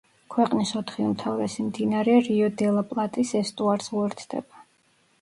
ქვეყნის ოთხი უმთავრესი მდინარე რიო-დე-ლა-პლატის ესტუარს უერთდება.